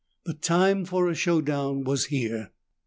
The time for a showdown was here.